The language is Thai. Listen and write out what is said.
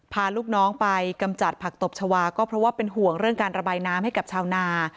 พาลูกน้องไปกำจัดผักตบชาวาก็เพราะว่าเป็นห่วงเรื่องการระบายน้ำให้กับชาวนา